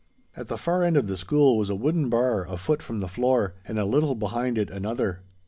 At the far end of the school was a wooden bar a foot from the floor, and a little behind it another.